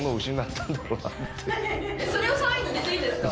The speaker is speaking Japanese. それを３位に入れていいんですか？